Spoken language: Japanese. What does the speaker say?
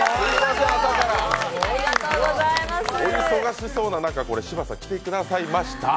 お忙しそうな中、柴田さん来てくださいました。